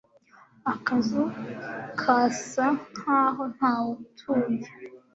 Akazu kasa nkaho ntawutuye